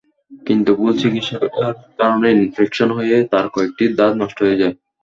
কিন্তু ভুল চিকিৎসার কারণে ইনফেকশন হয়ে তাঁর কয়েকটি দাঁত নষ্ট হয়ে যায়।